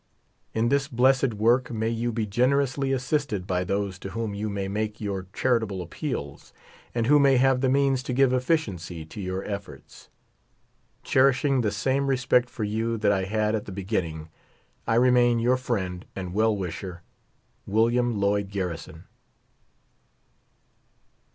In this blessed work may you be generously assisted by those to whom you may make your charitable appeals, and who may have the means to give efficiency to your efforts. Cherishing the same respect for you that I had at the beginning, I remain your friend and well wisher, WM. LLOYD GARRISON.